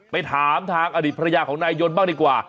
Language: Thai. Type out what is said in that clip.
ไปถามทางอดีตภรรยาของนายยนต์บ้างดีกว่า